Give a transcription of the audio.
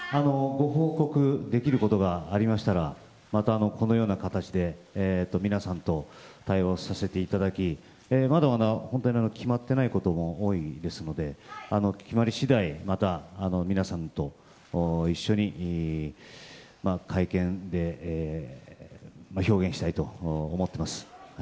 ご報告できることがありましたらまたこのような形で皆さんと対話をさせていただきまだまだ決まっていないことも多いですので決まり次第また皆さんと一緒に会見で表現したいと思っています。